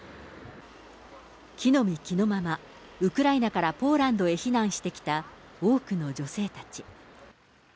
着のみ着のまま、ウクライナからポーランドへ避難してきた多くの女性たち。